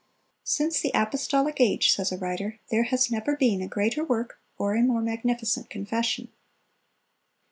"Since the apostolic age," says a writer, "there has never been a greater work or a more magnificent confession."